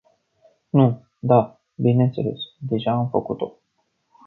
Nu, da, bineînțeles, deja am făcut-o.